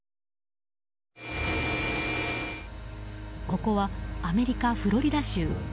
ここはアメリカ・フロリダ州。